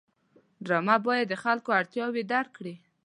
ډرامه باید د خلکو اړتیاوې درک کړي